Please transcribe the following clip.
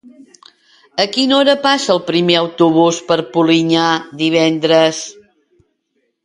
A quina hora passa el primer autobús per Polinyà divendres?